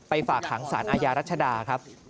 ไปฝากหางศานอายารัฐธาครับ